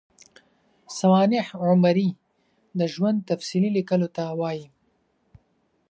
سوانح عمري د ژوند تفصیلي لیکلو ته وايي.